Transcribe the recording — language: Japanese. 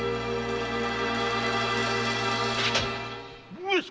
上様！